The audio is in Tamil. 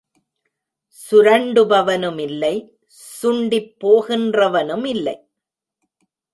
சுரண்டுபவனுமில்லை, சுண்டிப் போகின்றவனுமில்லை.